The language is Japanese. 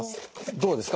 どうですか？